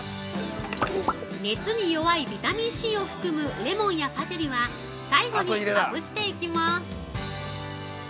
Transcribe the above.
◆熱に弱いビタミンＣを含むレモンやパセリは、最後にまぶしていきます。